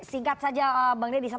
singkat saja bang deddy